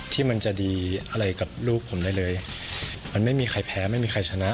ที่มันจะดีอะไรกับลูกผมได้เลยมันไม่มีใครแพ้ไม่มีใครชนะ